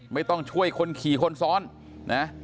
ไม่ต้องช่วยคนขี่คนซ้อนนะ